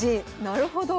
なるほど。